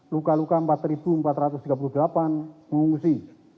luka luka empat empat ratus tiga puluh delapan mengungsi